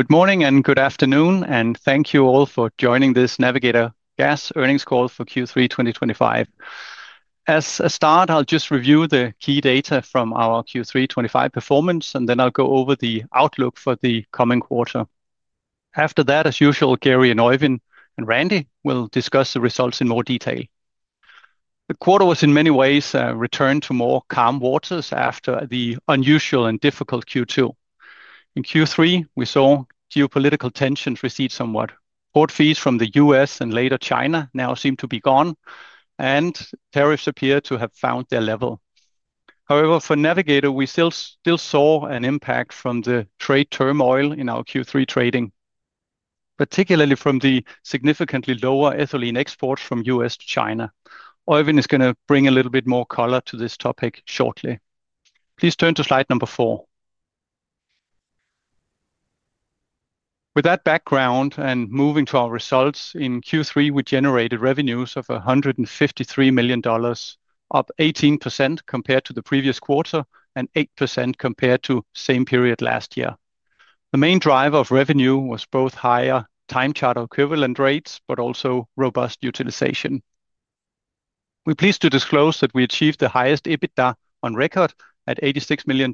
Good morning and good afternoon and thank you all for joining this Navigator Gas Earnings Call for Q3 2025. As a start, I'll just review the key data from our Q3 2025 performance and then I'll go over the outlook for the coming quarter after that. As usual, Gary and Øyvind and Randy will discuss the results in more detail. The quarter was in many ways returned to more calm waters after the unusual and difficult Q2. In Q3 we saw geopolitical tensions recede somewhat. Port fees from the U.S. and later China now seem to be gone and tariffs appear to have found their level. However, for Navigator, we still saw an impact from the trade turmoil in our Q3 trading, particularly from the significantly lower ethylene exports from the U.S. to China. Øyvind is going to bring a little bit more color to this topic shortly. Please turn to slide number four. With that background and moving to our results. In Q3 we generated revenues of $153 million, up 18% compared to the previous quarter and 8% compared to the same period last year. The main driver of revenue was both higher time charter equivalent rates but also robust utilization. We're pleased to disclose that we achieved the highest EBITDA on record at $86 million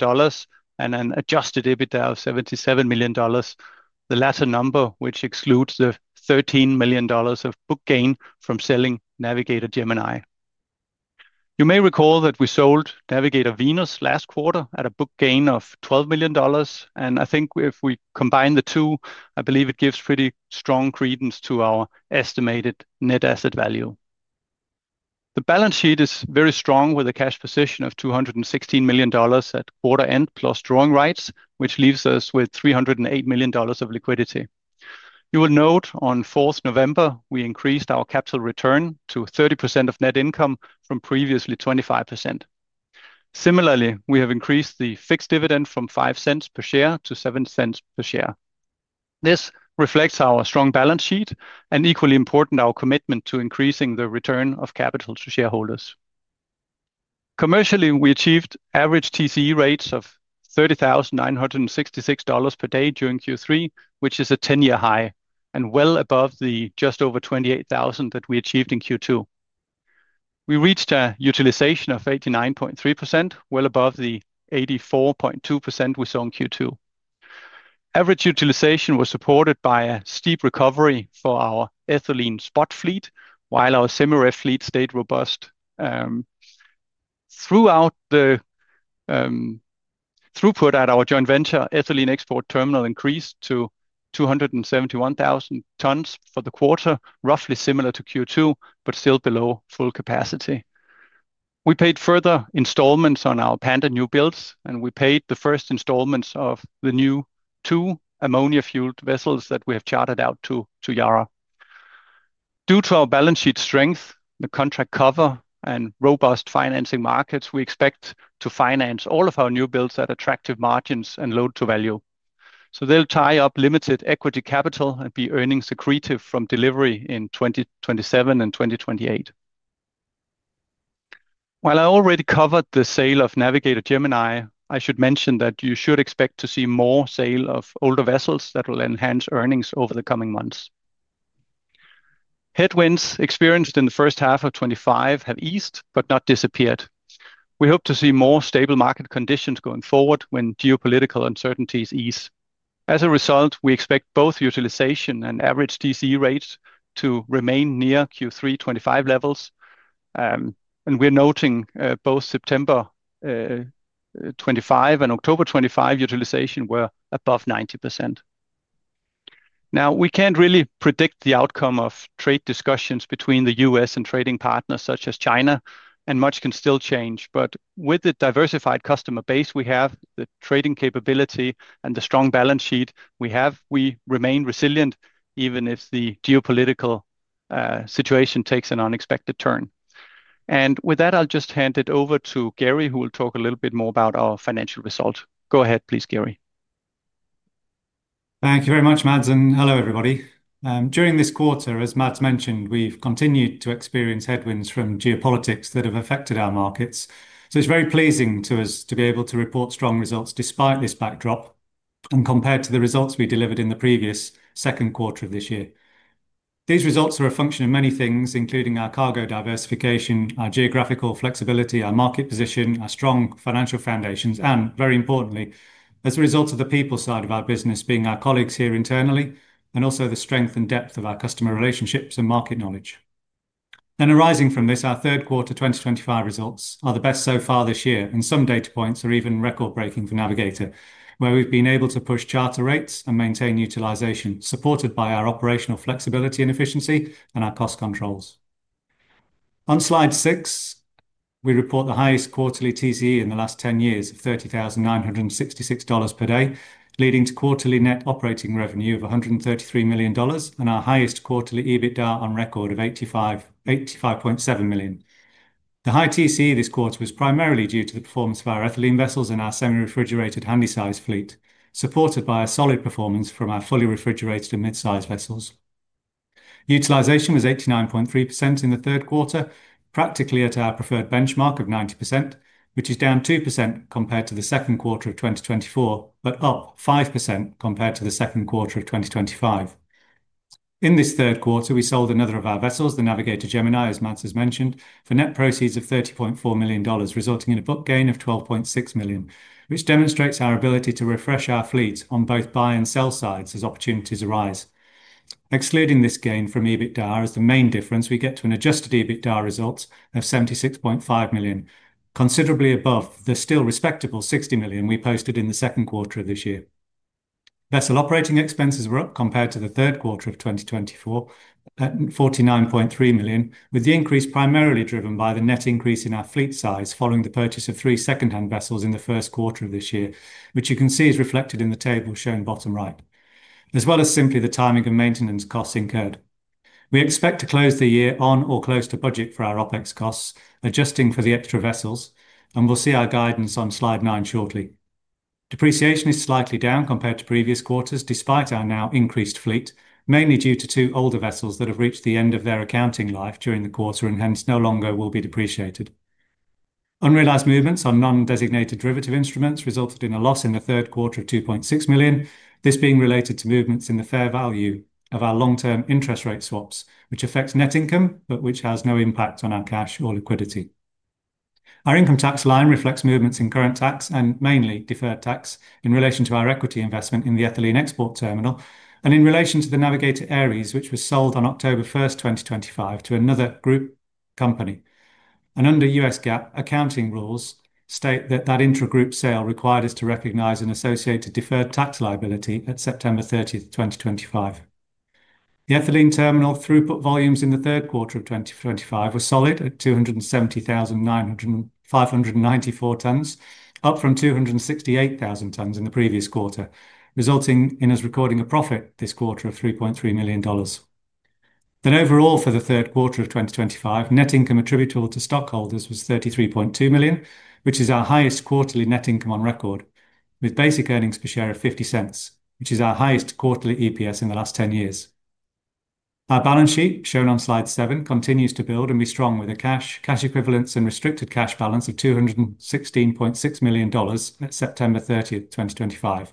and an adjusted EBITDA of $77 million, the latter number which excludes the $13 million of book gain from selling Navigator Gemini. You may recall that we sold Navigator Venus last quarter at a book gain of $12 million and I think if we combine the two, I believe it gives pretty solid strong credence to our estimated net asset value. The balance sheet is very strong with a cash position of $216 million at quarter end plus drawing rights, which leaves us with $308 million of liquidity. You will note on the 4th of November we increased our capital return to 30% of net income from previously 25%. Similarly, we have increased the fixed dividend from $0.05 per share to $0.07 per share. This reflects our strong balance sheet and equally important our commitment to increasing the return of capital to shareholders. Commercially, we achieved average TCE rates of $30,966 per day during Q3, which is a 10-year high and well above the just over $28,000 that we achieved in Q2. We reached a utilization of 89.3%, well above the 84.2% we saw in Q2. Average utilization was supported by a steep recovery for our ethylene spot fleet, while our simmerf fleet stayed robust throughout the throughput. At our joint venture ethylene export terminal, throughput increased to 271,000 tons for the quarter, roughly similar to Q2 but still below full capacity. We paid further installments on our Panda newbuilds and we paid the first installments of the new two ammonia-fueled vessels that we have chartered out to Yara. Due to our balance sheet strength, the contract cover, and robust financing markets, we expect to finance all of our newbuilds at attractive margins and loan to value. They will tie up limited equity capital and be earnings accretive from delivery in 2027 and 2028. While I already covered the sale of Navigator Gemini, I should mention that you should expect to see more sales of older vessels that will enhance earnings over the coming months. Headwinds experienced in 1H 2025 have eased, but not disappeared. We hope to see more stable market conditions going forward when geopolitical uncertainties ease. As a result, we expect both utilization and average TCE rates to remain near Q3 2025 levels. We are noting both September 2025 and October 2025 utilization were above 90%. We cannot really predict the outcome of trade discussions between the U.S. and trading partners such as China, and much can still change. With the diversified customer base we have, the trading capability, and the strong balance sheet we have, we remain resilient even if the geopolitical situation takes an unexpected turn. With that, I will just hand it over to Gary who will talk a little bit more about our financial result. Go ahead please, Gary. Thank you very much, Mads. Hello everybody. During this quarter, as Mads mentioned, we've continued to experience headwinds from geopolitics that have affected our markets. It is very pleasing to us to be able to report strong results despite this backdrop and compared to the results we delivered in the previous second quarter of this year. These results are a function of many things, including our cargo diversification, our geographical flexibility, our market position, our strong financial foundations, and very importantly, as a result of the people side of our business being our colleagues here internally, and also the strength and depth of our customer relationships and market knowledge. Arising from this, our third quarter 2025 results are the best so far this year and some data points are even record breaking for Navigator, where we've been able to push charter rates and main utilization supported by our operational flexibility and efficiency and our cost controls. On Slide 6, we report the highest quarterly TCE in the last 10 years of $30,966 per day, leading to quarterly net operating revenue of $133 million and our highest quarterly EBITDA on record of $85.7 million. The high TCE this quarter was primarily due to the performance of our ethylene vessels in our semi refrigerated handy sized fleet supported by a solid performance from our fully refrigerated and mid sized vessels. Utilization was 89.3% in the third quarter, practically at our preferred benchmark of 90%, which is down 2% compared to the second quarter of 2024 but up 5% compared to the second quarter of 2025. In this third quarter we sold another of our vessels, the Navigator Gemini as Mads has mentioned, for net proceeds of $30.4 million resulting in a book gain of $12.6 million, which demonstrates our ability to refresh our fleet on both buy and sell sides as opportunities arise. Excluding this gain from EBITDA as the main difference, we get to an adjusted EBITDA result of $76.5 million, considerably above the still respectable $60 million we posted in the second quarter of this year. Vessel operating expenses were up compared to the third quarter of 2024 at $49.3 million, with the increase primarily driven by the net increase in our fleet size following the purchase of three secondhand vessels in the first quarter of this year, which you can see is reflected in the table shown bottom right as well as simply the timing and maintenance costs incurred. We expect to close the year on or close to budget for our OPEX costs adjusting for the extra vessels and we'll see our guidance on slide 9 shortly. Depreciation is slightly down compared to previous quarters despite our now increased fleet mainly due to two older vessels that have reached the end of their accounting life during the quarter and hence no longer will be depreciated. Unrealized movements on non-designated derivative instruments resulted in a loss in the third quarter of 2.6 million, this being related to movements in the fair value of our long-term interest rate swaps which affects net income but which has no impact on our cash or liquidity. Our income tax line reflects movements in current tax and mainly deferred tax in relation to our equity investment in the ethylene export terminal and in relation to the Navigator Ares which was sold on 10-01-2025 to another group company and under U.S. GAAP accounting rules state that that intra-group sale required us to recognize an associated deferred tax liability at 9-30-2025. The ethylene terminal throughput volumes in the third quarter of 2025 were solid at 270,900 tonnes, up from 268,000 tonnes in the previous quarter, resulting in us recording a profit this quarter of $3.3 million. Overall for the third quarter of 2025, net income attributable to stockholders was 33.2 million, which is our highest quarterly net income on record, with basic earnings per share of $0.50, which is our highest quarterly EPS in the last 10 years. Our balance sheet shown on Slide 7 continues to build and be strong with a cash, cash equivalents, and restricted cash balance of $216.6 million at September 30, 2025,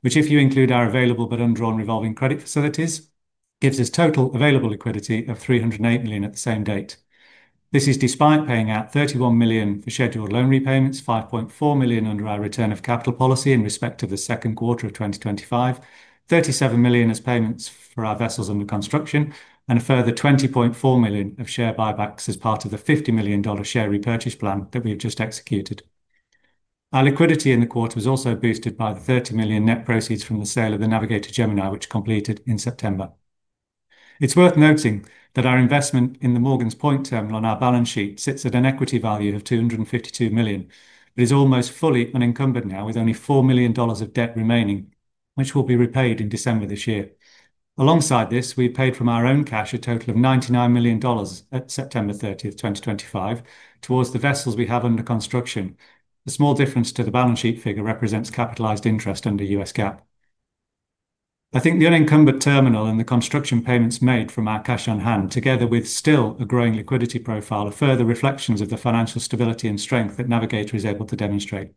which, if you include our available but undrawn revolving credit facilities, gives us total available liquidity of 308 million at the same date. This is despite paying out $31 million for scheduled loan repayments, $5.4 million under our return of capital policy in respect to the second quarter of 2025, $37 million as payments for our vessels under construction, and a further $20.4 million of share buybacks as part of the $50 million share repurchase plan that we have just executed. Our liquidity in the quarter was also boosted by the 30 million net proceeds from the sale of the Navigator Gemini which completed in September. It's worth noting that our investment in the Morgans Point terminal on our balance sheet sits at an equity value of $252 million but is almost fully unencumbered now with only $4 million of debt remaining which will be repaid in December this year. Alongside this we paid from our own cash a total of $99 million at 09-30-2025 towards the vessels we have under construction. The small difference to the balance sheet figure represents capitalized interest under US GAAP, I think the unencumbered terminal and the construction payments made from our cash on hand, together with still a growing liquidity profile, are further reflections of the financial stability and strength that Navigator is able to demonstrate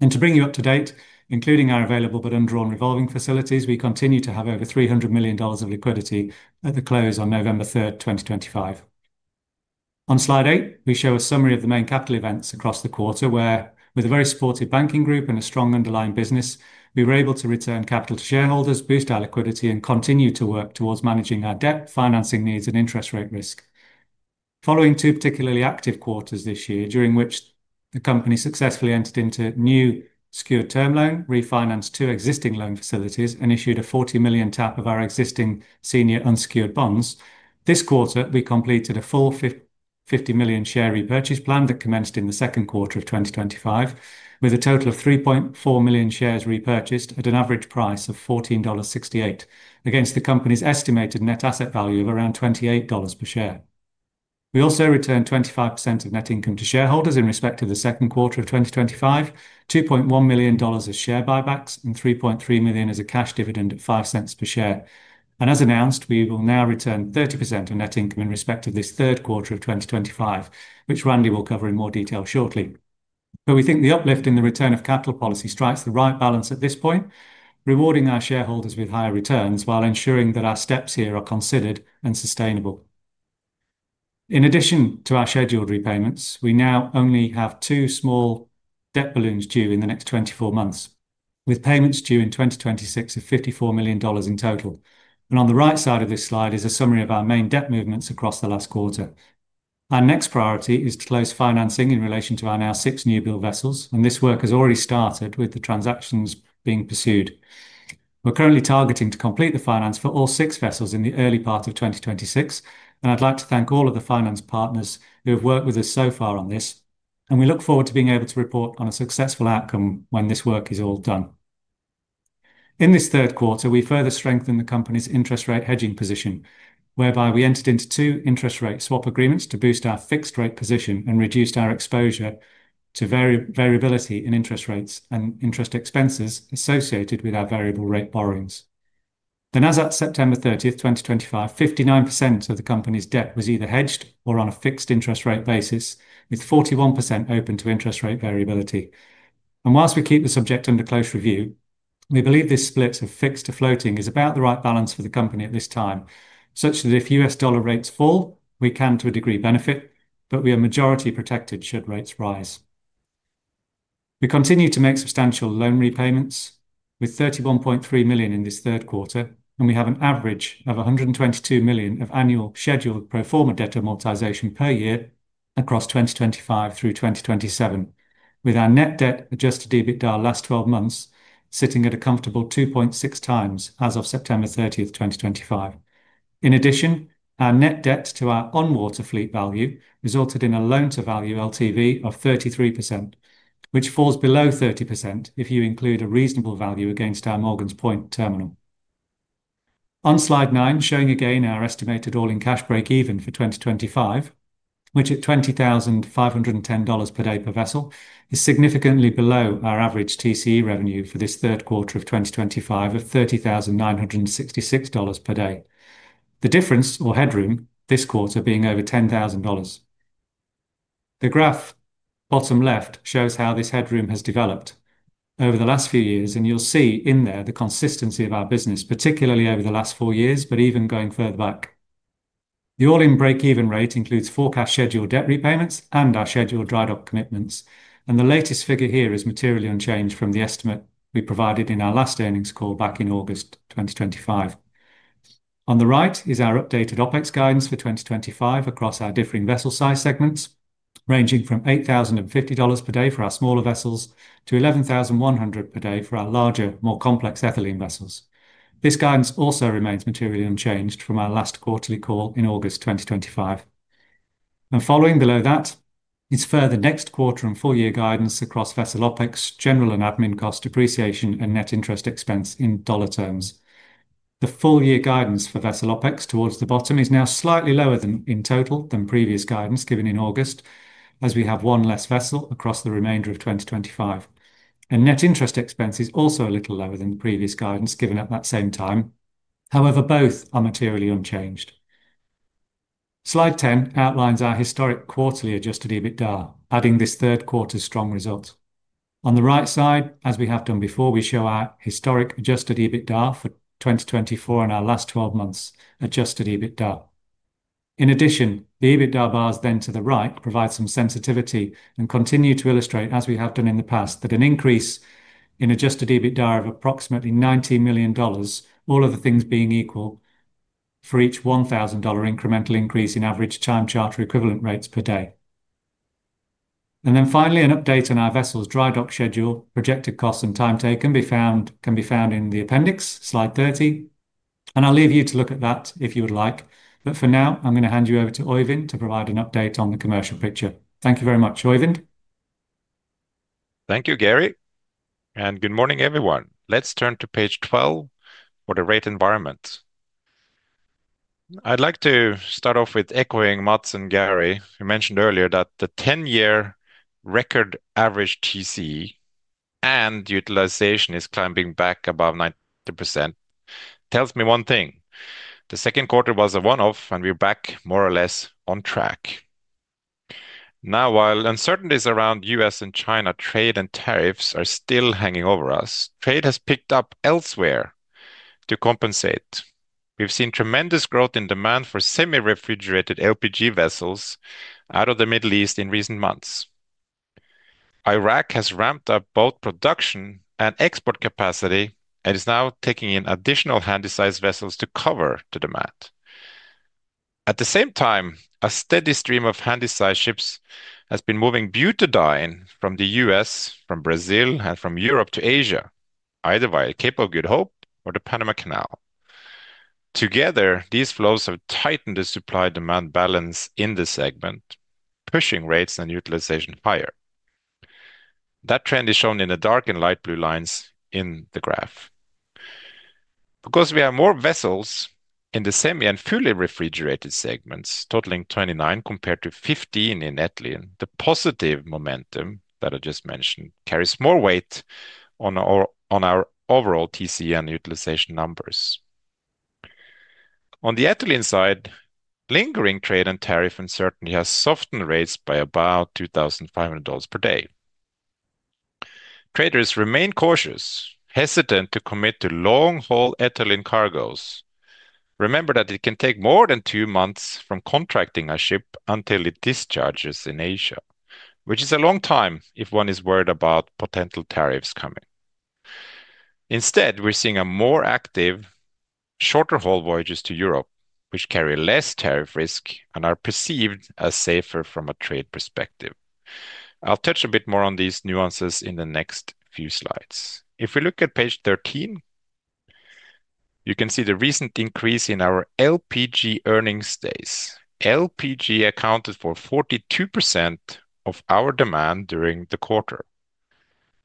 and to bring you up to date. Including our available but undrawn revolving facilities, we continue to have over $300 million of liquidity at the close on 11-03-2025. On slide 8 we show a summary of the main capital events across the quarter where, with a very supportive banking group and a strong underlying business, we were able to return capital to shareholders, boost our liquidity, and continue to work towards managing our debt financing needs and interest rate risk. Following two particularly active quarters this year during which the company successfully entered into new secured term loan, refinanced two existing loan facilities, and issued a $40 million tap of our existing senior unsecured bonds. This quarter we completed a full 50 million share repurchase plan that commenced in the second quarter of 2025 with a total of 3.4 million shares repurchased at an average price of $14.68 against the company's estimated net asset value of around $28 per share. We also returned 25% of net income to shareholders in respect to the second quarter of 2025, $2.1 million as share buybacks and $3.3 million as a cash dividend at $0.05 per share. As announced, we will now return 30% of net income in respect to this third quarter of 2025, which Randy will cover in more detail shortly. We think the uplift in the return of capital policy strikes the right balance at this point, rewarding our shareholders with higher returns while ensuring that our steps here are considered and sustainable. In addition to our scheduled repayments, we now only have two small debt balloons due in the next 24 months with payments due in 2026 of $54 million in total. On the right side of this slide is a summary of our main debt movements across the last quarter. Our next priority is to close financing in relation to our now six newbuild vessels and this work has already started with the transactions being pursued. We're currently targeting to complete the finance for all six vessels in the early part of 2026 and I'd like to thank all of the finance partners who have worked with us so far on this and we look forward to being able to report on a successful outcome when this work is all done. In this third quarter we further strengthened the company's interest rate hedging position whereby we entered into two interest rate swap agreements to boost our fixed rate position and reduced our exposure to variability in interest rates and interest expenses associated with our variable rate borrowings. As of September 30, 2025, 59% of the company's debt was either hedged or on a fixed interest rate basis with 41% open to interest rate variability. Whilst we keep the subject under close review, we believe this split of fixed to floating is about the right balance for the company at this time, such that if US dollar rates fall we can to a degree benefit, but we are majority protected should rates rise. We continue to make substantial loan repayments with 31.3 million in this third quarter and we have an average of 122 million of annual scheduled pro forma debtor amortization per year across 2025 through 2027, with our net debt adjusted EBITDA last 12 months sitting at a comfortable 2.6 times as of September 30, 2025. In addition, our net debt to our on-water fleet value resulted in a loan to value LTV of 33% which falls below 30% if you include a reasonable value against our Morgans Point Terminal on slide 9 showing again our estimated all-in cash breakeven for 2025 which at $20,510 per day per vessel is significantly below our average TCE revenue for this third quarter of 2025 of $30,966 per day, the difference or headroom this quarter being over $10,000. The graph bottom left shows how this headroom has developed over the last few years and you'll see in there the consistency of our business, particularly over the last four years. Even going further back, the all-in breakeven rate includes forecast scheduled debt repayments and our scheduled dry dock commitments, and the latest figure here is materially unchanged from the estimate we provided in our last earnings call back in August 2025. On the right is our updated OPEX guidance for 2025 across our differing vessel size segments, ranging from $8,050 per day for our smaller vessels to $11,100 per day for our larger, more complex ethylene vessels. This guidance also remains materially unchanged from our last quarterly call in August 2025, and following below that is further next quarter and full year guidance across vessel OPEX, general and admin cost, depreciation, and net interest expense in dollar terms. The full year guidance for vessel OPEX towards the bottom is now slightly lower in total than previous guidance given in August as we have one less vessel across the remainder of 2025 and net interest expense is also a little lower than the previous guidance given at that same time. However, both are materially unchanged. Slide 10 outlines our historic quarterly adjusted EBITDA, adding this third quarter's strong result on the right side. As we have done before, we show our historic adjusted EBITDA for 2024 and our last 12 months adjusted EBITDA. In addition, the EBITDA bars then to the right provide some sensitivity and continue to illustrate as we have done in the past, that an increase in adjusted EBITDA of approximately $19 million, all other things being equal, for each $1,000 incremental increase in average time charter equivalent rates per day. Finally, an update on our vessels' dry dock schedule, projected costs, and timetable can be found in the appendix, slide 30, and I'll leave you to look at that if you would like. For now, I'm going to hand you over to Øyvind to provide an update on the commercial picture. Thank you very much, Øyvind. Thank you, Gary, and good morning, everyone. Let's turn to page 12 for the rate environment. I'd like to start off with echoing Mads and Gary, who mentioned earlier that the 10-year record average TCE and utilization is climbing back above 90% tells me one thing. The second quarter was a one-off, and we're back more or less on track now. While uncertainties around U.S. and China trade and tariffs are still hanging over, U.S. trade has picked up elsewhere to compensate. We've seen tremendous growth in demand for semi-refrigerated LPG vessels out of the Middle East in recent months. Iraq has ramped up both production and export capacity and is now taking in additional handysize vessels to cover the demand. At the same time, a steady stream of handy sized ships has been moving butadiene from the U.S., from Brazil, and from Europe to Asia either via Cape of Good Hope or the Panama Canal. Together, these flows have tightened the supply-demand balance in the segment, pushing rates and utilization higher. That trend is shown in the dark and light blue lines in the graph because we have more vessels in the semi and fully refrigerated segments totaling 29 compared to 15 in ethylene. The positive momentum that I just mentioned carries more weight on our overall TCE and utilization numbers. On the ethylene side, lingering trade and tariff uncertainty has softened rates by about $2,500 per day. Traders remain cautious, hesitant to commit to long haul ethylene cargoes. Remember that it can take more than two months from contracting a ship until it discharges in Asia, which is a long time if one is worried about potential tariffs coming. Instead, we're seeing more active, shorter haul voyages to Europe, which carry less tariff risk and are perceived as safer from a trade perspective. I'll touch a bit more on these nuances in the next few slides. If we look at page 13, you can see the recent increase in our LPG earnings days. LPG accounted for 42% of our demand during the quarter,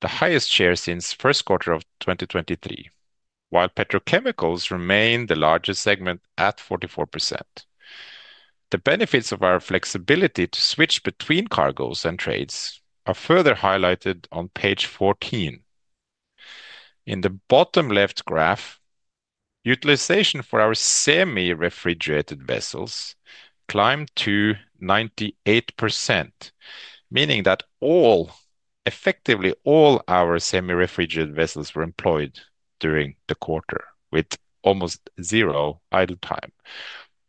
the highest share since first quarter of 2023, while petrochemicals remain the largest segment at 44%. The benefits of our flexibility to switch between cargoes and trades are further highlighted on page 14 in the bottom left graph. Utilization for our semi refrigerated vessels climbed to 98%, meaning that all, effectively all our semi refrigerated vessels were employed during the quarter with almost zero idle time.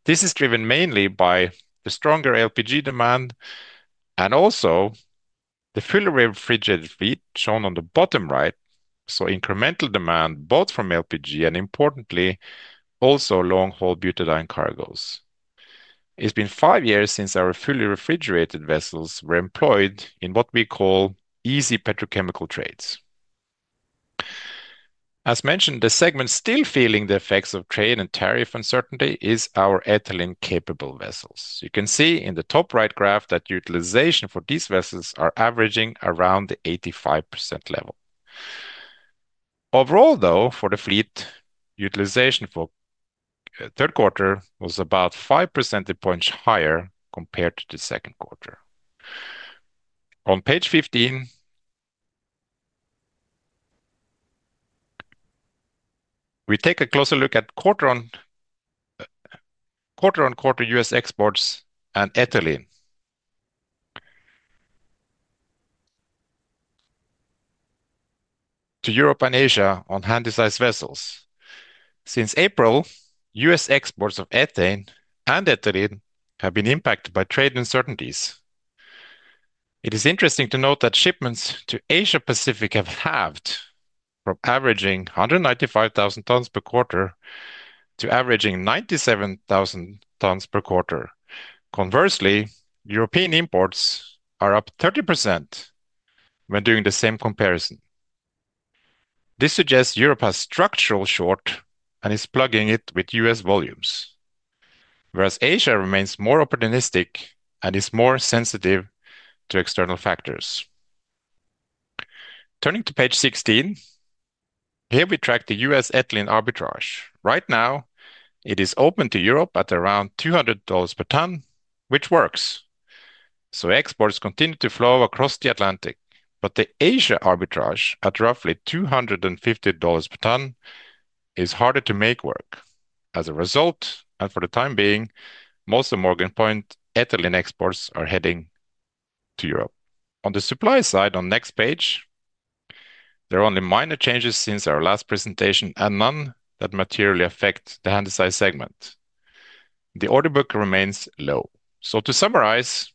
This is driven mainly by the stronger LPG demand and also the fully refrigerated fleet shown on the bottom right saw incremental demand both from LPG and importantly also long haul butadiene cargoes. It has been five years since our fully refrigerated vessels were employed in what we call easy petrochemical trades. As mentioned, the segment still feeling the effects of trade and tariff uncertainty is our ethylene capable vessels. You can see in the top right graph that utilization for these vessels are averaging around the 85% level. Overall though, for the fleet, utilization for third quarter was about 5 percentage points higher compared to the second quarter. On page 15 we take a closer look at quarter on quarter U.S. exports and ethylene to Europe and Asia on handysize vessels. Since April, U.S. exports of ethane and ethylene have been impacted by trade uncertainties. It is interesting to note that shipments to Asia Pacific have halved from averaging 195,000 tonnes per quarter to averaging 97,000 tonnes per quarter. Conversely, European imports are up 30% when doing the same comparison. This suggests Europe's structural short and is plugging it with U.S. volumes, whereas Asia remains more opportunistic and is more sensitive to external factors. Turning to page 16, here we track the U.S. ethylene arbitrage. Right now it is open to Europe at around $200 per ton, which works. Exports continue to flow across the Atlantic, but the Asia arbitrage at roughly $250 per ton is harder to make work. As a result, and for the time being, most of Morgans Point ethylene exports are heading to Europe. On the supply side on next page there are only minor changes since our last presentation and none that materially affect the handysize segment. The order book remains low. To summarize,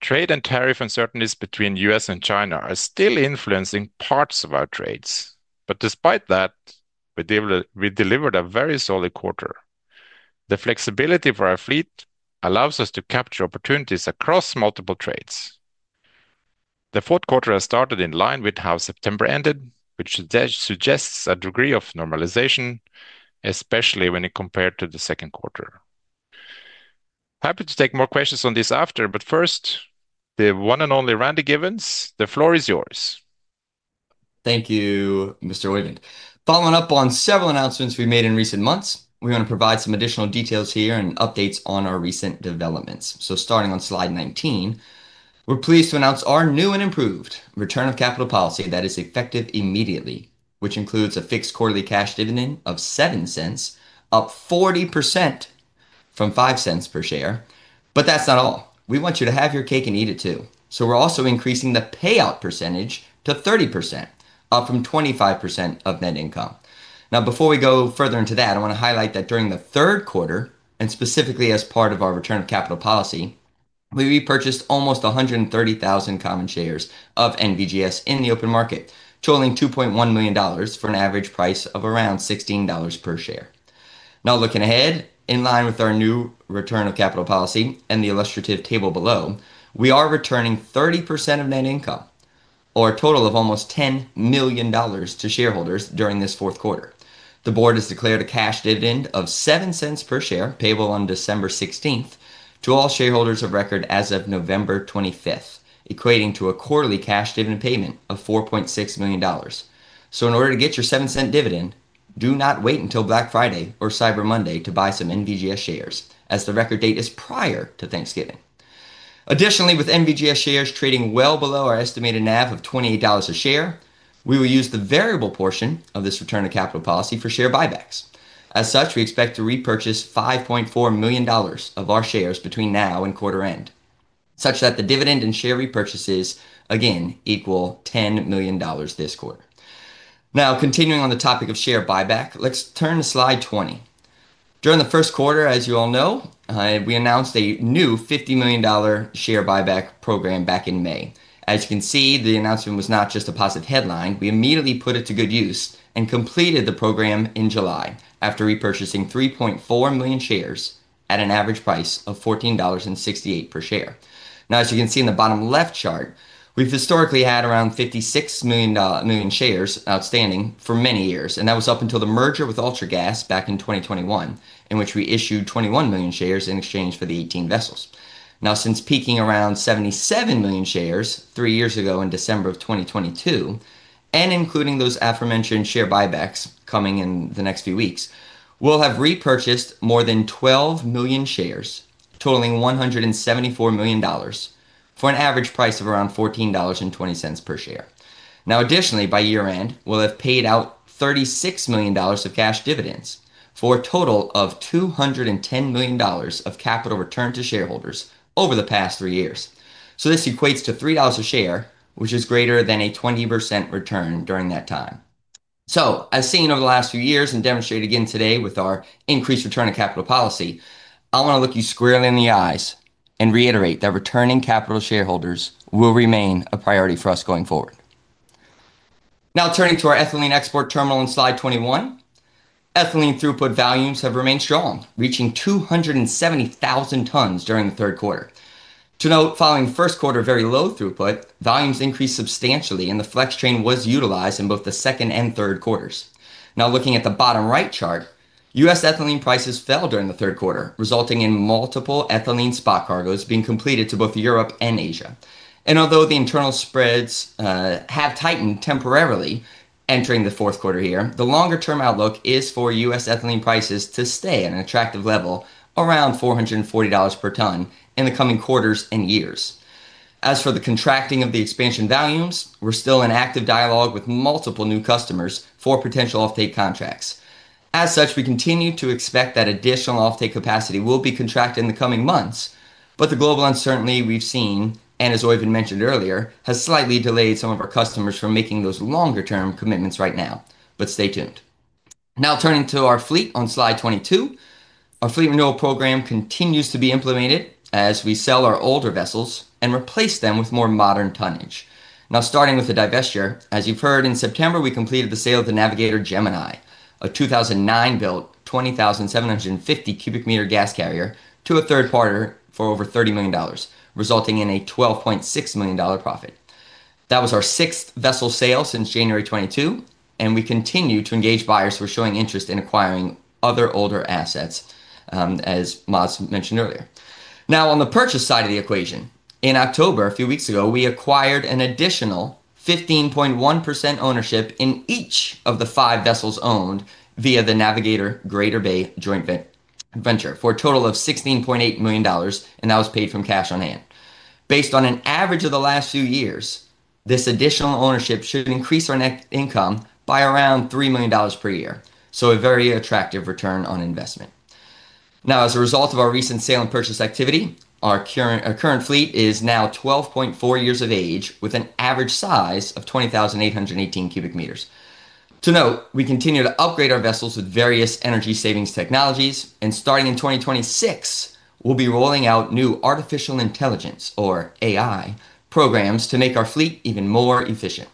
trade and tariff uncertainties between the U.S. and China are still influencing parts of our trades, but despite that we delivered a very solid quarter. The flexibility for our fleet allows us to capture opportunities across multiple trades. The fourth quarter has started in line with how September ended, which suggests a degree of normalization, especially when compared to the second quarter. Happy to take more questions on this after but first, the one and only Randy Giveans, the floor is yours. Thank you Mr. Øyvind. Following up on several announcements we made in recent months, we want to provide some additional details here and updates on our recent developments. Starting on slide 19, we're pleased to announce our new and improved return of capital policy that is effective immediately, which includes a fixed quarterly cash dividend of $0.07, up 40% from $0.05 per share. That's not all. We want you to have your cake and eat it too. We're also increasing the payout percentage to 30%, up from 25% of net income. Now, before we go further into that, I want to highlight that during the third quarter, and specifically as part of our return of capital policy, we repurchased almost 130,000 common shares of NVGS in the open market, totaling $2.1 million for an average price of around $16 per share. Now, looking ahead, in line with our new Return of Capital Policy and the illustrative table below, we are returning 30% of net income, or a total of almost $10 million to shareholders during this fourth quarter. The board has declared a cash dividend of $0.07 per share payable on December 16th to all shareholders of record as of November 25th, equating to a quarterly cash dividend payment of $4.6 million. In order to get your $0.07 dividend, do not wait until Black Friday or Cyber Monday to buy some NVGS shares, as the record date is prior to Thanksgiving. Additionally, with NVGS shares trading well below our estimated NAV of $28 a share, we will use the variable portion of this return of capital policy for share buybacks. As such, we expect to repurchase $5.4 million of our shares between now and quarter end, such that the dividend and share repurchases again equal $10 million this quarter. Now, continuing on the topic of share buyback, let's turn to Slide 20 during the first quarter. As you all know, we announced a new $50 million share buyback program back in May. As you can see, the announcement was not just a positive headline. We immediately put it to good use and completed the program in July after repurchasing 3.4 million shares at an average price of $14.68 per share. Now, as you can see in the bottom left chart, we've historically had around 56 million shares outstanding for many years, and that was up until the merger with Ultragas back in 2021, in which we issued 21 million shares in exchange for the 18 vessels. Now, since peaking around 77 million shares three years ago in December of 2022, and including those aforementioned share buybacks coming in the next few weeks, we'll have repurchased more than 12 million shares totaling $174 million for an average price of around $14.20 per share. Now additionally, by year end we'll have paid out $36 million of cash dividends for a total of $210 million of capital returned to shareholders over the past three years. This equates to $3 a share, which is greater than a 20% return during that time. As seen over the last few years and demonstrated again today with our increased return of capital policy, I want to look you squarely in the eyes and reiterate that returning capital to shareholders will remain a priority for us going forward. Now turning to our ethylene export terminal on slide 21, ethylene throughput volumes have remained strong, reaching 270,000 tons during the third quarter. To note, following first quarter very low throughput, volumes increased substantially and the flex train was utilized in both the second and third quarters. Now looking at the bottom right chart, U.S. ethylene prices fell during the third quarter, resulting in multiple ethylene spot cargoes being completed to both Europe and Asia. Although the internal spreads have tightened temporarily entering the fourth quarter here, the longer term outlook is for U.S. ethylene prices to stay at an attractive level around $440 per ton in the coming quarters and years. As for the contracting of the expansion volumes, we are still in active dialogue with multiple new customers for potential offtake contracts. As such, we continue to expect that additional offtake capacity will be contracted in the coming months. The global uncertainty we've seen, and as Øyvind mentioned earlier, has slightly delayed some of our customers from making those longer term commitments right now. Stay tuned. Now turning to our fleet on slide 22, our fleet renewal program continues to be implemented as we sell our older vessels and replace them with more modern tonnage. Now starting with the divestiture. As you've heard, in September we completed the sale of the Navigator Gemini, a 2009 built 20,750 cubic meter gas carrier to a third party for over $30 million, resulting in a $12.6 million profit. That was our sixth vessel sale since January 2022, and we continue to engage buyers who are showing interest in acquiring other older assets. As Mads mentioned earlier. Now on the purchase side of the equation, in October a few weeks ago we acquired an additional 15.1% ownership in each of the five vessels owned via the Navigator Greater Bay joint venture for a total of $16.8 million and that was paid from cash on hand based on an average of the last few years. This additional ownership should increase our net income by around $3 million per year. A very attractive return on investment. Now, as a result of our recent sale and purchase activity, our current fleet is now 12.4 years of age with an average size of 20,818 cubic meters. To note, we continue to upgrade our vessels with various energy savings technologies and starting in 2026 we'll be rolling out new artificial intelligence or AI programs to make our fleet even more efficient.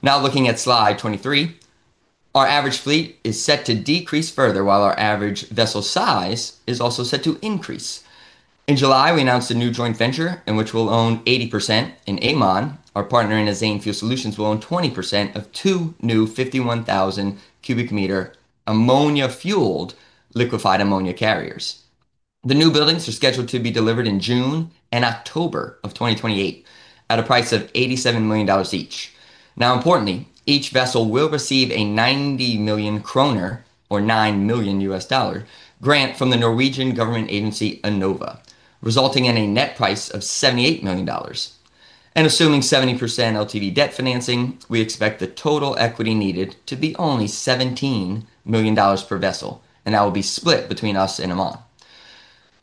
Now, looking at Slide 23, our average fleet is set to decrease further while our average vessel size is also set to increase. In July we announced a new joint venture in which we'll own 80%. In Amon, our partner in A Zane Fuel Solutions will own 20% of two new 51,000 cubic meter ammonia-fueled liquefied ammonia carriers. The new buildings are scheduled to be delivered in June and October of 2028 at a price of $87 million each. Now importantly, each vessel will receive a 90 million kroner grant from the Norwegian government agency Enova SF, resulting in a net price of $78 million. Assuming 70% LTV debt financing, we expect the total equity needed to be only $17 million per vessel and that will be split between us and Amon.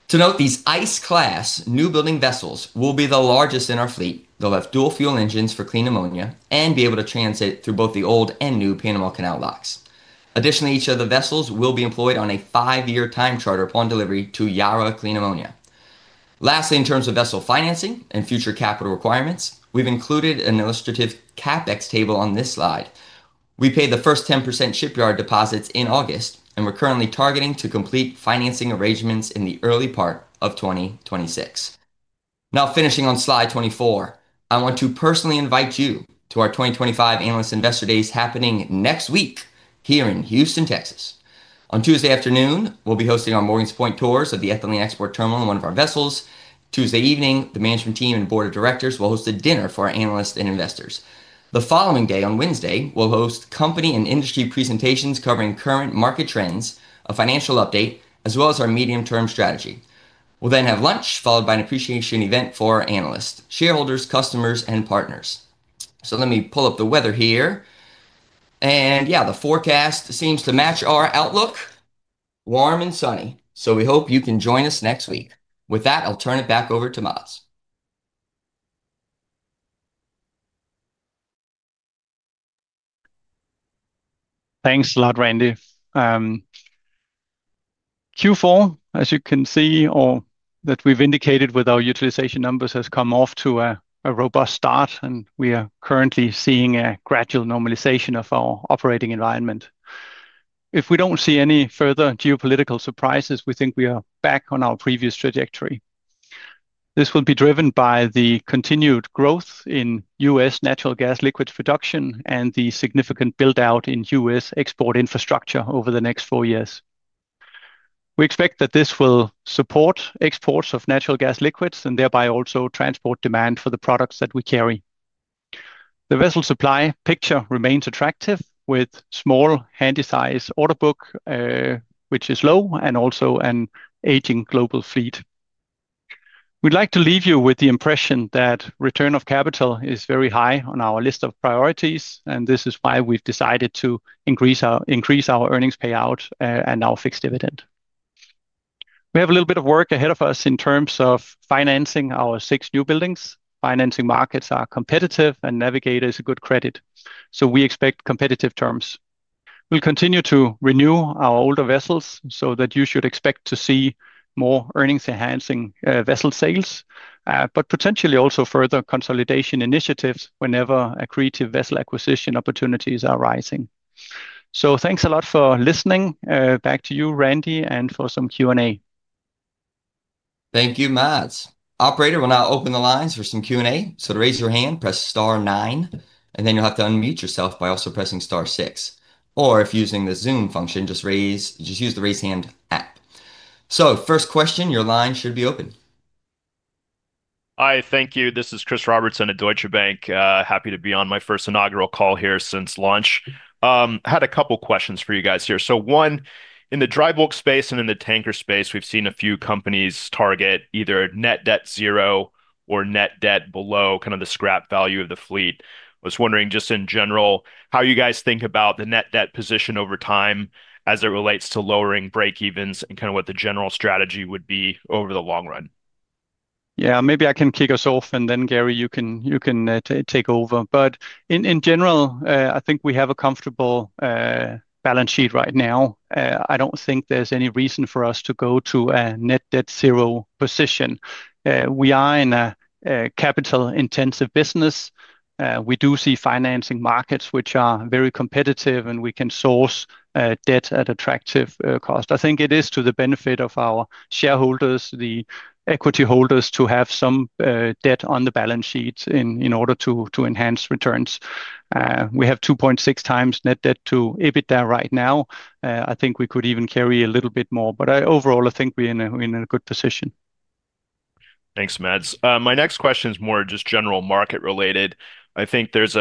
To note, these ICE class new building vessels will be the largest in our fleet. They'll have dual fuel engines for clean ammonia and be able to transit through both the old and new Panama Canal docks. Additionally, each of the vessels will be employed on a five year time charter upon delivery to Yara Clean Ammonia. Lastly, in terms of vessel financing and future capital requirements, we've included an illustrative CapEx table on this slide. We paid the first 10% shipyard deposits in August and we're currently targeting to complete financing arrangements in the early part of 2026. Now finishing on slide 24, I want to personally invite you to our 2025 Analyst Investor Days happening next week here in Houston, Texas. On Tuesday afternoon we'll be hosting our Morgans Point tours of the ethylene export terminal and one of our vessels. Tuesday evening the management team and board of directors will host a dinner for our analysts and investors. The following day on Wednesday, we'll host company and industry presentations covering current market trends, a financial update as well as our medium term strategy. We'll then have lunch followed by an appreciation event for analysts, shareholders, customers and partners. Let me pull up the weather here and yeah, the forecast seems to match our outlook, warm and sunny. We hope you can join us next week. With that, I'll turn it back over to Mads. Thanks a lot, Randy. Q4, as you can see or that we've indicated with our utilization numbers, has come off to a robust start and we are currently seeing a gradual normalization of our operating environment. If we do not see any further geopolitical surprises, we think we are back on our previous trajectory. This will be driven by the continued growth in US natural gas liquid production and the significant build out in US export infrastructure over the next four years. We expect that this will support exports of natural gas liquids and thereby also transport demand for the products that we carry. The vessel supply picture remains attractive with small handy size order book which is low and also an aging global fleet. We'd like to leave you with the impression that return of capital is very high on our list of priorities and this is why we've decided to increase our earnings payout and our fixed dividend. We have a little bit of work ahead of us in terms of financing our six new buildings. Financing markets are competitive and Navigator is a good credit so we expect competitive terms. We'll continue to renew our older vessels so that you should expect to see more earnings enhancing vessel sales but potentially also further consolidation initiatives whenever accretive vessel acquisition opportunities are rising. Thanks a lot for listening. Back to you Randy for some Q and A. Thank you, Mads. Operator will now open the lines for some Q and A. To raise your hand, press star nine, and then you will have to unmute yourself by also pressing star six, or if using the Zoom function, just use the Raise Hand app. First question, your line should be open. Hi, thank you. This is Chris Robertson at Deutsche Bank. Happy to be on my first inaugural call here since launching. Had a couple questions for you guys here. One, in the dry bulk space and in the tanker space, we've seen a few companies target either net debt zero or net debt below kind of the scrap value of the fleet. I was wondering just in general how you guys think about the net debt position over time as it relates to lowering breakevens and kind of what the general strategy would be over the long run. Yeah, maybe I can kick us off and then Gary, you can take over. In general I think we have a comfortable balance sheet right now. I do not think there is any reason for us to go to a net debt zero position. We are in a capital intensive business. We do see financing markets which are very competitive and we can source debt at attractive cost. I think it is to the benefit of our shareholders, the equity holders, to have some debt on the balance sheet in order to enhance returns. We have 2.6 times net debt to EBITDA right now. I think we could even carry a little bit more. Overall I think we are in a good position. Thanks, Mads. My next question is more just general market related. I think there's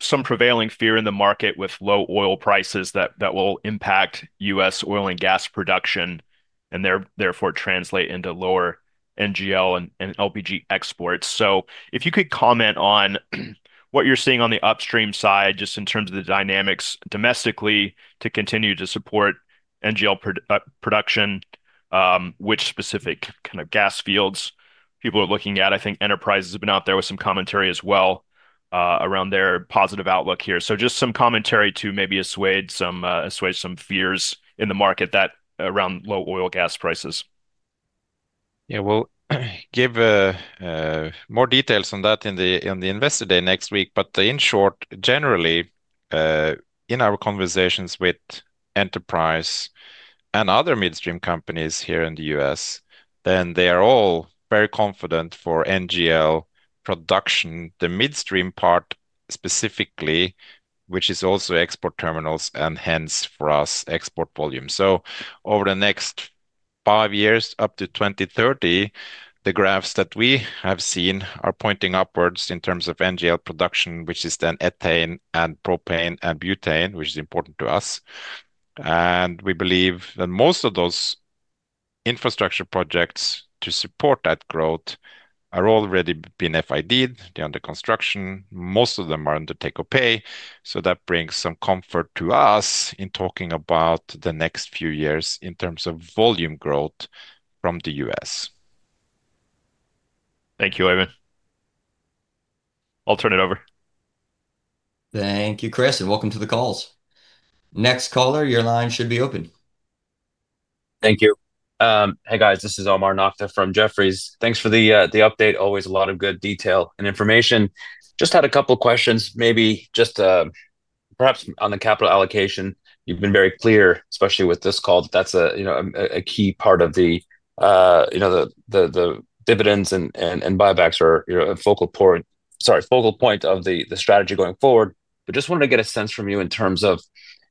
some prevailing fear in the market with low oil prices that that will impact U.S. oil and gas production and therefore translate into lower NGL and LPG exports. If you could comment on what you're seeing on the upstream side just in terms of the dynamics domestically to continue to support NGL production, which specific kind of gas fields people are looking at. I think Enterprise has been out there with some commentary as well around their positive outlook here. Just some commentary to maybe assuage some fears in the market that around low oil gas prices. Yeah, we'll give more details on that in the investor day next week. In short, generally in our conversations with Enterprise Products Partners and other midstream companies here in the U.S., they are all very confident for NGL production, the midstream part specifically, which is also export terminals and hence for U.S. export volume. Over the next five years up to 2030, the graphs that we have seen are pointing upwards in terms of NGL production, which is ethane and propane and butane, which is important to us. We believe that most of those infrastructure projects to support that growth have already been FID. They are under construction, most of them are under take or pay. That brings some comfort to us in talking about the next few years in terms of volume growth from the U.S. Thank you, Øyvind. I'll turn it over. Thank you, Chris, and welcome to the call. Next caller, your line should be open. Thank you. Hey guys, this is Omar Nakta from Jefferies. Thanks for the update. Always a lot of good detail and information. Just had a couple questions maybe just perhaps on the capital allocation. You've been very clear, especially with this call. That's a, you know, a key part of the, you know, the dividends and buybacks are a focal point, sorry, focal point of the strategy going forward. Just wanted to get a sense from you in terms of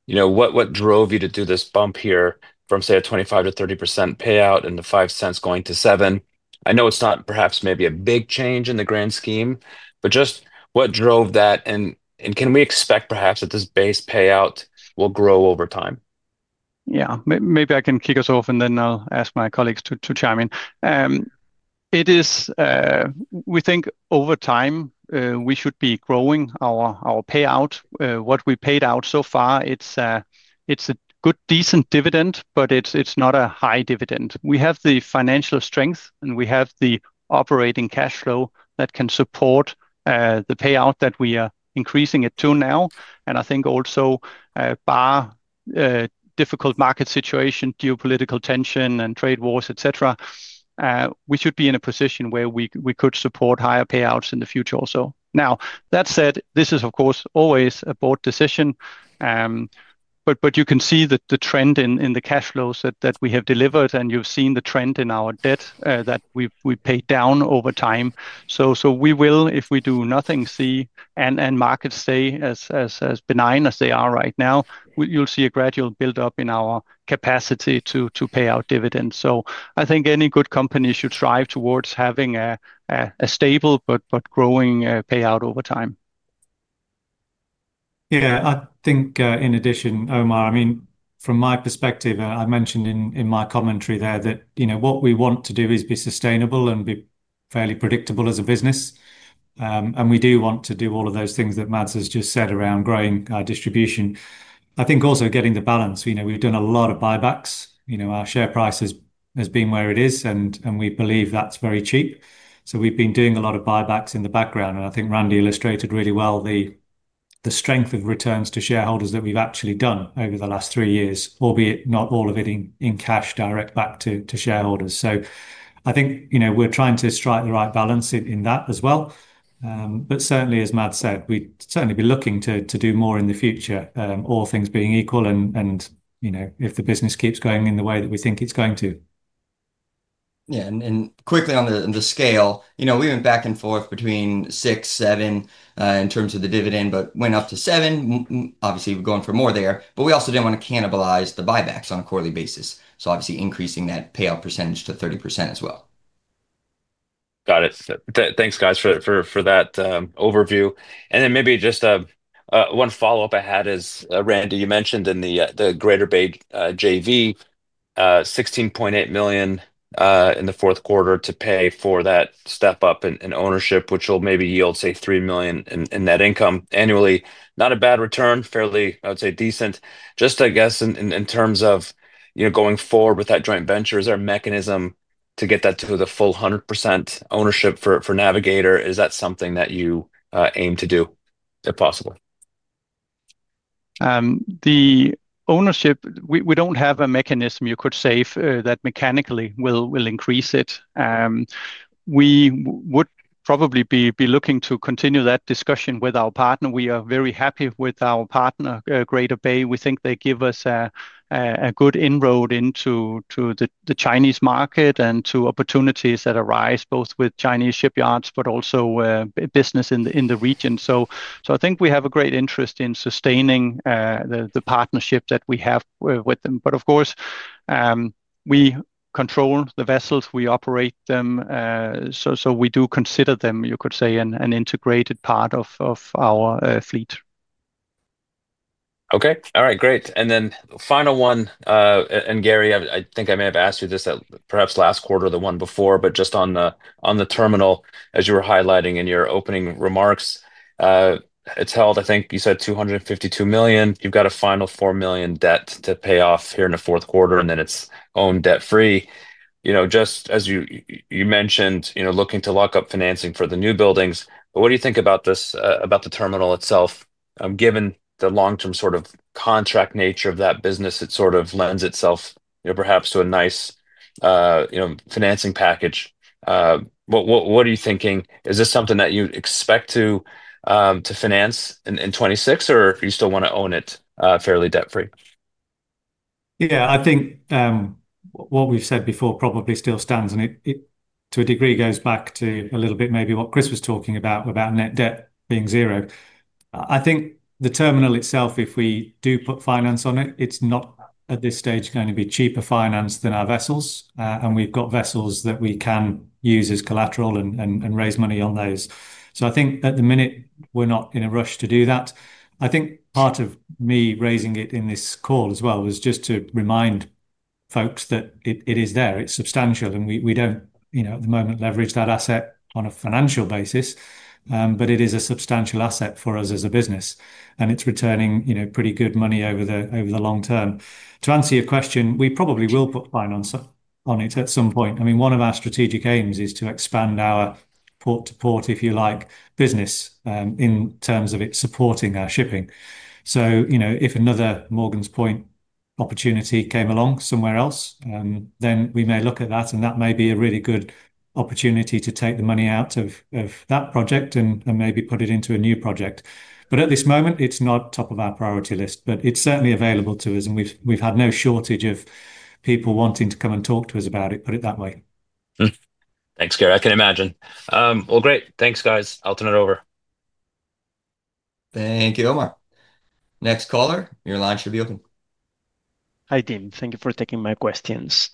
what drove you to do this bump here from say a 25-30% payout and the $0.05 going to $0.07. I know it's not perhaps maybe a big change in the grand scheme, but just what drove that and can we expect perhaps that this base payout will grow over time. Yeah. Maybe I can kick us off and then I'll ask my colleagues to chime in. It is, we think over time we should be growing our payout. What we paid out so far, it's a good, decent dividend, but it's not a high dividend. We have the financial strength and we have the operating cash flow that can support the payout that we are increasing it to now. I think also bar difficult market situation, geopolitical tension and trade wars, et cetera, we should be in a position where we could support higher payouts in the future also. Now, that said, this is of course always a board decision, but you can see that the trend in the cash flows that we have delivered and you've seen the trend in our debt that we paid down over time. If we do nothing, see, and markets stay as benign as they are right now, you'll see a gradual buildup in our capacity to pay out dividends. I think any good company should strive towards having a stable but growing payout over time. Yeah. I think, in addition, Omar, I mean, from my perspective, I mentioned in my commentary there that, you know, what we want to do is be sustainable and be fairly predictable as a business. We do want to do all of those things that Mads has just said around growing distribution. I think also getting the balance. You know, we've done a lot of buybacks. You know, our share price has been where it is, and we believe that's very cheap. We've been doing a lot of buybacks in the background. I think Randy illustrated really well the strength of returns to shareholders that we've actually done over the last three years, albeit not all of it in cash direct back to shareholders. I think, you know, we're trying to strike the right balance in that as well. Certainly, as Mads said, we certainly would be looking to do more in the future, all things being equal. And you know, if the business keeps going in the way that we think it's going to. Yeah. Quickly on the scale, you know, we went back and forth between 6, 7 in terms of the dividend, but went up to 7, obviously going for more there. We also did not want to cannibalize the buybacks on a quarterly basis, so obviously increasing that payout percentage to 30% as well. Got it. Thanks, guys, for that overview. Maybe just one follow up I had is, Randy, you mentioned in the Greater Bay JV $16.8 million in the fourth quarter to pay for that step up in ownership, which will maybe yield, say, $3 million in net income annually. Not a bad return, fairly, I would say. Decent. Just, I guess, in terms of going forward with that joint venture, is there a mechanism to get that to the full 100% ownership for Navigator? Is that something that you aim to do if possible? The ownership. We do not have a mechanism. You could say that mechanically, it will increase. We would probably be looking to continue that discussion with our partner. We are very happy with our partner, Greater Bay. We think they give us a good inroad into the Chinese market and to opportunities that arise both with Chinese shipyards, but also business in the region. I think we have a great interest in sustaining the partnership that we have with them. Of course, we control the vessels, we operate them, so we do consider them, you could say, an integrated part of our fleet. Okay, all right, great. Final one. Gary, I think I may have asked you this perhaps last quarter, the one before, but just on the terminal, as you were highlighting in your opening remarks, it's held, I think you said, $252 million. You've got a final $4 million debt to pay off here in the fourth quarter and then it's owned debt free, you know, just as you mentioned, you know, looking to lock up financing for the new buildings. What do you think about this, about the terminal itself, given the long term sort of contract nature of that business, it sort of lends itself, you know, perhaps to a nice, you know, financing package. What are you thinking? Is this something that you expect to finance in 2026 or you still want to own it fairly debt free? Yeah, I think what we've said before probably still stands and it to a degree goes back to a little bit maybe what Chris was talking about, about net debt being zero. I think the terminal itself, if we do put finance on it, it's not at this stage going to be cheaper finance than our vessels. And we've got vessels that we can use as collateral and raise money on those. I think at the minute we're not in a rush to do that. Part of me raising it in this call as well was just to remind folks that it is there, it's substantial and we don't, you know, at the moment leverage that asset on a financial basis, but it is a substantial asset for us as a business and it's returning, you know, pretty good money over the long term. To answer your question, we probably will put finance on it at some point. I mean one of our strategic aims is to expand our port to port, if you like, business in terms of it supporting our shipping. You know, if another Morgans Point opportunity came along somewhere else, then we may look at that and that may be a really good opportunity to take the money out of that project and maybe put it into a new project. At this moment it is not top of our priority list, but it is certainly available to us and we have had no shortage of people wanting to come and talk to us about it, put it that way. Thanks, Gary. I can imagine. Great, thanks guys. I'll turn it over. Thank you, Omar. Next caller, your line should be open. Hi Tim, thank you for taking my questions.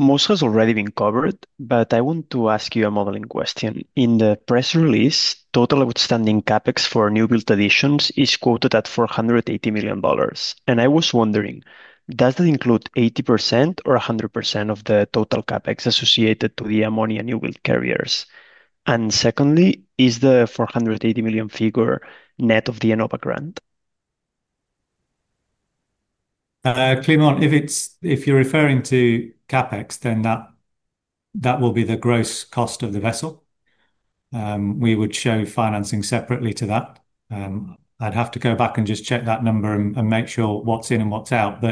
Most has already been covered. I want to ask you a modeling question in the press release. Total outstanding CapEx for new build additions is quoted at $480 million. I was wondering, does that include 80% or 100% of the total CapEx associated to the ammonia new build carriers? Secondly, is the $480 million figure net of the Enova grant. Climent, if you're referring to CapEx, then that will be the gross cost of the vessel. We would show financing separately to that. I'd have to go back and just check that number and make sure what's in and what's out.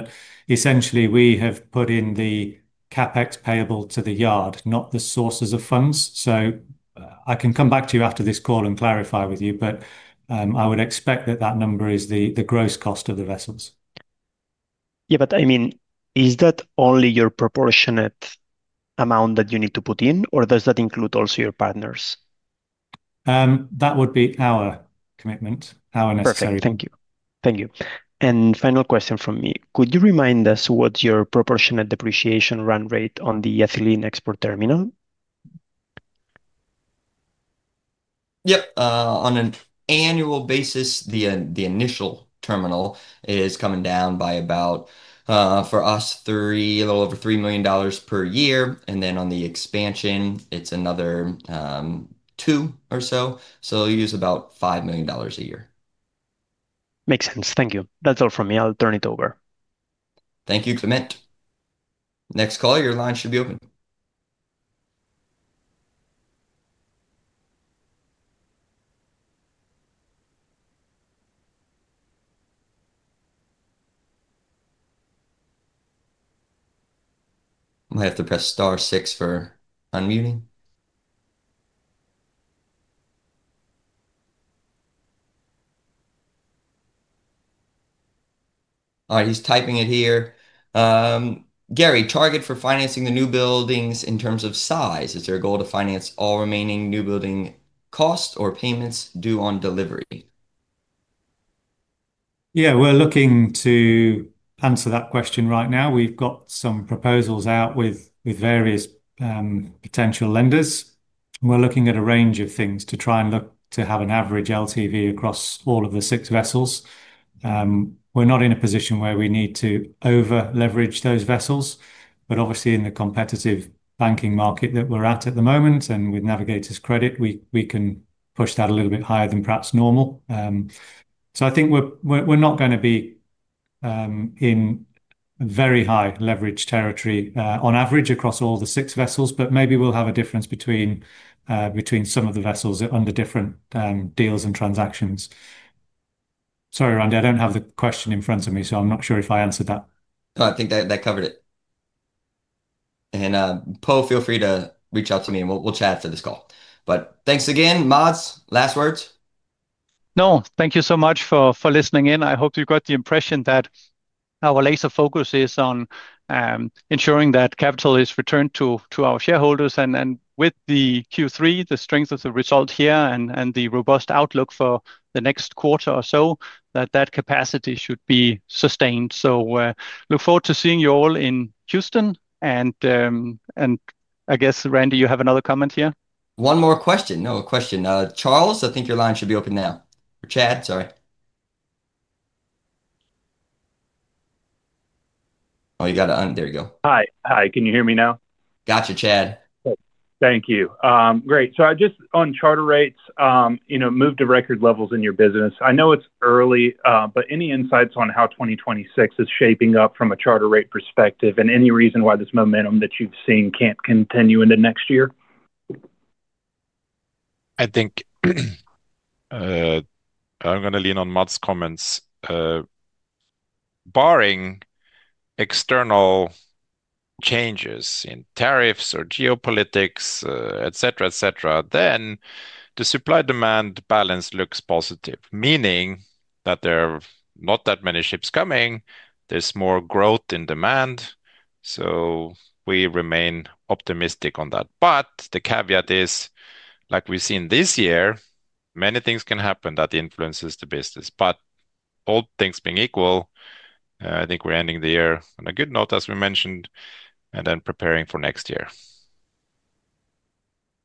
Essentially, we have put in the CapEx payable to the yard, not the sources of funds. I can come back to you after this call and clarify with you. I would expect that that number is the gross cost of the vessels. Yeah, but I mean is that only your proportionate amount that you need to put in or does that include also your partners? That would be our commitment. Thank you. Thank you. Final question from me. Could you remind us what your proportionate depreciation run rate on the ethylene export terminal is? Yep, on an annual basis. The initial terminal is coming down by about, for us, a little over $3 million per year and then on the expansion it's another two or so. So they'll use about $5 million a year. Makes sense. Thank you. That's all from me. I'll turn it over. Thank you. Climent. Next call. Your line should be open. Might have to press star six for unmuting. All right, he's typing it here. Gary. Target, for financing the new buildings in terms of size, is there a goal to finance all remaining new building costs or payments due on delivery? Yeah, we're looking to answer that question right now. We've got some proposals out with various potential lenders. We're looking at a range of things to try and look to have an average LTV across all of the six vessels. We're not in a position where we need to over leverage those vessels, but obviously in the competitive banking market that we're at at the moment and with Navigator's credit, we can push that a little bit higher than perhaps normal. I think we're not going to be in very high leverage territory on average across all the six vessels, but maybe we'll have a difference between some of the vessels under different deals and transactions. Sorry, Randy, I don't have the question in front of me, so I'm not sure if I answered that. I think that covered it. Po, feel free to reach out to me and we'll chat for this call. Thanks again. Mads, last words. No. Thank you so much for listening in. I hope you got the impression that our laser focus is on ensuring that capital is returned to our shareholders. With the Q3, the strength of the result here and the robust outlook for the next quarter or so, that capacity should be sustained. I look forward to seeing you all in Houston. I guess Randy, you have another comment here? One more question. No question, Charles. I think your line should be open now. Chad, sorry. Oh, you gotta. There you go. Hi. Hi. Can you hear me now? Gotcha, Chad. Thank you. Great. I just, on charter rates, you know, move to record levels in your business. I know it's early, but any insights on how 2026 is shaping up from a charter rate perspective? Any reason why this momentum that you've seen can't continue into next year? I think, foreign, I'm going to lean on Mads' comments. Barring external changes in tariffs or geopolitics, etc., etc., the supply demand balance looks positive, meaning that there are not that many ships coming. There's more growth in demand. We remain optimistic on that. The caveat is, like we've seen this year, many things can happen that influence the business. All things being equal, I think we're ending the year on a good note, as we mentioned, and preparing for next year.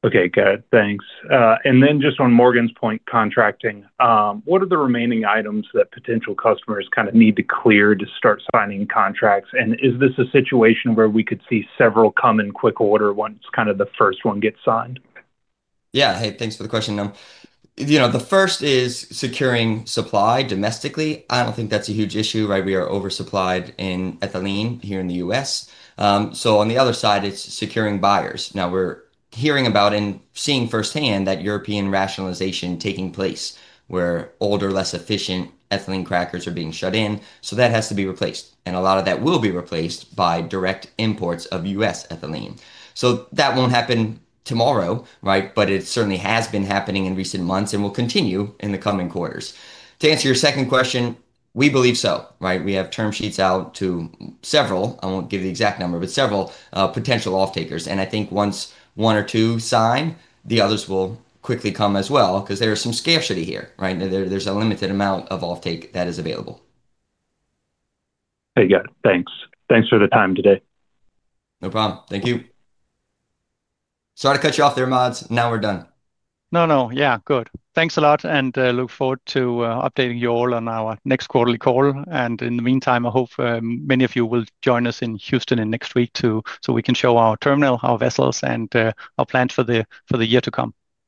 Okay, good, thanks. Then just on Morgans Point contracting. What are the remaining items that potential customers kind of need to clear to start signing contracts? Is this a situation where we could see several come in quick order once kind of the first one gets signed? Yeah. Hey, thanks for the question. You know, the first is securing supply domestically. I don't think that's a huge issue. Right. We are oversupplied in ethylene here in the U.S. On the other side, it is securing buyers. Now, we are hearing about and seeing firsthand that European rationalization taking place where older, less efficient ethylene crackers are being shut in. That has to be replaced, and a lot of that will be replaced by direct imports of U.S. ethylene. That will not happen tomorrow, right, but it certainly has been happening in recent months and will continue in the coming quarters. To answer your second question, we believe so, right. We have term sheets out to several. I will not give the exact number, but several potential off takers. I think once one or two sign, the others will quickly come as well because there is some scarcity here, right. There is a limited amount of offtake that is available. Hey, guys, thanks. Thanks for the time today. No problem. Thank you. Sorry to cut you off there, Mads. Now we're done. No, no, yeah, good. Thanks a lot and look forward to updating you all on our next quarterly call. In the meantime, I hope many of you will join us in Houston next week, too, so we can show our terminal, our vessels, and our plans for the year to come.